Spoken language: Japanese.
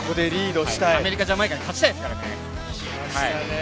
アメリカ、ジャマイカに勝ちたいですからね。